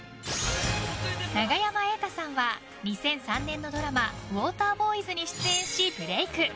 永山瑛太さんは２００３年のドラマ「ウォーターボーイズ」に出演しブレーク。